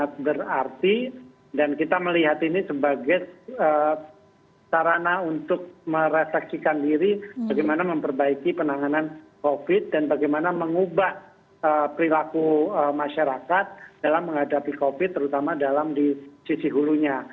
ini sangat berarti dan kita melihat ini sebagai sarana untuk meresaksikan diri bagaimana memperbaiki penanganan covid sembilan belas dan bagaimana mengubah perilaku masyarakat dalam menghadapi covid sembilan belas terutama di sisi hulunya